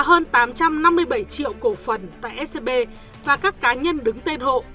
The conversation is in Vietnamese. hơn tám trăm năm mươi bảy triệu cổ phần tại scb và các cá nhân đứng tên hộ